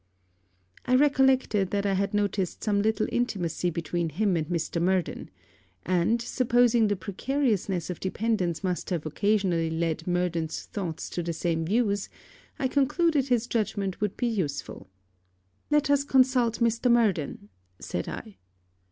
I recollected that I had noticed some little intimacy between him and Mr. Murden; and, supposing the precariousness of dependence must have occasionally led Murden's thoughts to the same views, I concluded his judgment would be useful. 'Let us consult Mr. Murden,' said I.